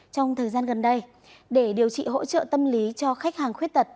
trong thời gian gần đây để điều trị hỗ trợ tâm lý cho khách hàng khuyết tật